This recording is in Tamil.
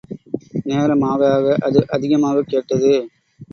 நேரம் ஆக ஆக அது அதிகமாகக் கேட்டது.